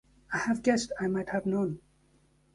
I half guessed — I might have known.